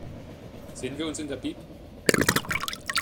Sehen wir uns in der Bib?